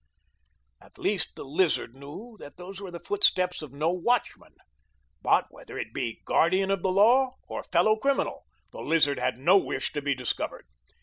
At least the Lizard knew that those were the footsteps of no watchman, but whether it be guardian of the law or fellow criminal the Lizard had no wish to be discovered.